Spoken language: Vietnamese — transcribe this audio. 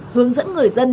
hướng dẫn người dân